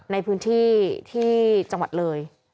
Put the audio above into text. ในพื้นที่ที่จังหวัดเลย